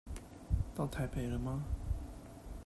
到台北了嗎？